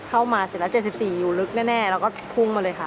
เข้ามาสิบแล้วเจ็ดสิบสี่อยู่ลึกแน่แน่แล้วก็พุ่งมาเลยค่ะ